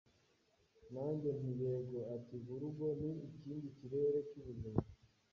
” Nanjye nti “Yego” ati : "Urugo ni ikindi kirere cy’ubuzima